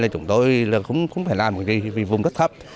chúng tôi không phải làm gì vì vùng rất thấp